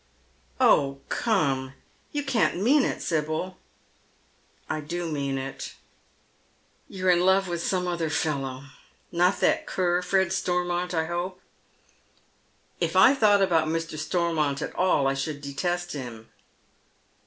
" Oh, come, you can't mean it, Sibyl." *' I do mean it." " You're in love with some other fellow. Not that cur, Fred Stormont, I hope ?"" If I thought about Mr. Stormont at all I should detest him."